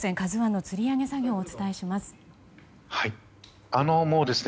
「ＫＡＺＵ１」の引き揚げ作業をお伝えいたします。